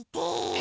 え